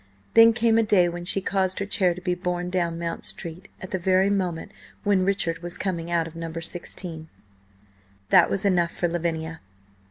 Then came a day when she caused her chair to be borne down Mount Street at the very moment when Richard was coming out of No. 16. That was enough for Lavinia.